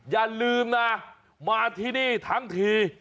อย่าลืมนะมาที่นี่ทั้งที